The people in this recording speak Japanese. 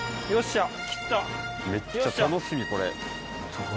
めっちゃ楽しみ、これ。